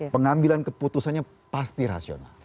pengambilan keputusannya pasti rasional